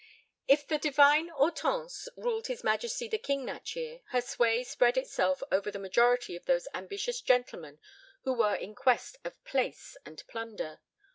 IV If the divine Hortense ruled his Majesty the King that year, her sway spread itself over the majority of those ambitious gentlemen who were in quest of "place" and plunder.